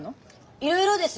いろいろです。